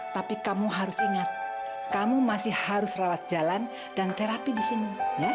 tapi kamu harus ingat kamu masih harus rawat jalan dan terapi di sini